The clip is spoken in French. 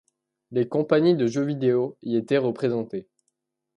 Les compagnies de jeu vidéo y étaient représentées.